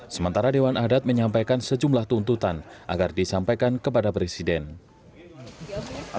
sementara dewan adat menyampaikan sejumlah tuntutan agar disampaikan kepada pertimbangan presiden jenderal purnawirawan subagyo hs